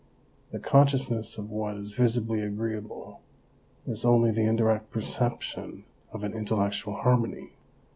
The consciousness of what is visibly agreeable is only the indirect perception of an intellectual harmony.